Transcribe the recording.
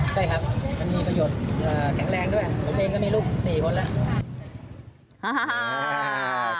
ใช่ครับมันมีประโยชน์แข็งแรงด้วยผมเองก็มีลูก๔คนแล้ว